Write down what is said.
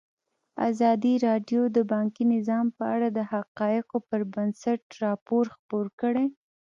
ازادي راډیو د بانکي نظام په اړه د حقایقو پر بنسټ راپور خپور کړی.